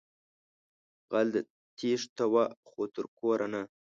غل تېښتوه خو تر کوره نه